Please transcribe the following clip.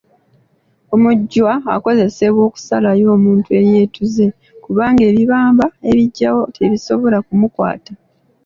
Omujjwa akozesebwa okusalayo omuntu eyeetuze kubanga ebibamba ebigyawo tebisobola kumukwata.